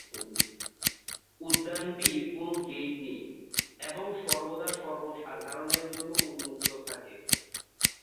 উদ্যানটির কোনও গেট নেই এবং সর্বদা সর্বসাধারণের জন্য উন্মুক্ত থাকে।